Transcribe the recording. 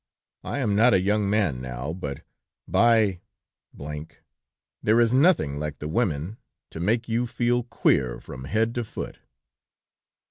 ] "'I am not a young man, now; but by , there is nothing like the women to make you feel queer from head to foot!'"